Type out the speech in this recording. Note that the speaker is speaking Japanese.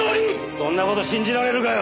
そんな事信じられるかよ。